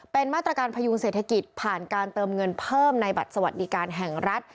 เป็นมาตรการพยุงเศรษฐกิจผ่านการเติมเงินเพิ่มในบัตรสวัสดิการแห่งรัฐ